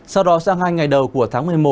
sau đó sang hai ngày đầu của tháng một mươi một